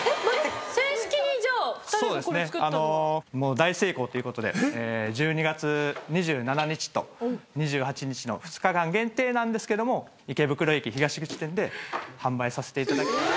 大成功ということで１２月２７日と２８日の２日間限定なんですけども池袋駅東口店で販売させていただきたいなと。